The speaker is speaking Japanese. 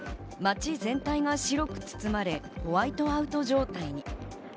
街全体が白く包まれ、ホワイトアウト状態に。